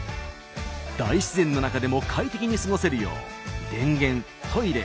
大自然の中でも快適に過ごせるよう電源トイレ